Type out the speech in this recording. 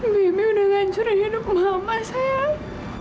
bibi udah ngancurin hidup mama sayang